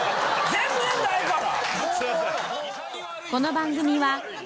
全然ないから！